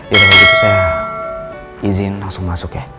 ya dengan itu saya izin langsung masuk ya